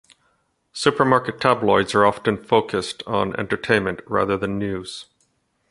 Supermarket tabloids are often focused on entertainment rather than news.